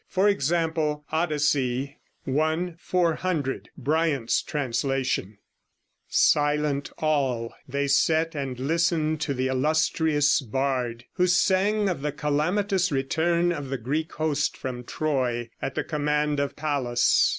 For example (Odyssey I, 400, Bryant's translation): "Silent all They sat and listened to the illustrious bard Who sang of the calamitous return Of the Greek host from Troy, at the command Of Pallas.